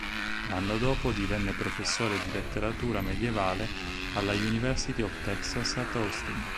L'anno dopo, divenne professore di letteratura medievale alla University of Texas at Austin.